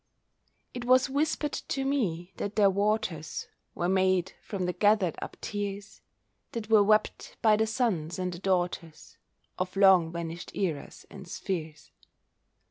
It was whispered to me that their waters Were made from the gathered up tears That were wept by the sons and the daughters Of long vanished eras and spheres.